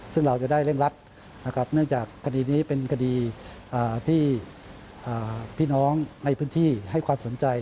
ซึ่งเราจะได้เร่งรัดนะครับเนื่องจากคดีนี้เป็นคดีที่พี่น้องในพื้นที่ให้ความสนใจ